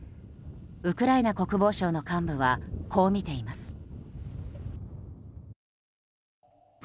ウクライナ国防省の幹部はこう見ています。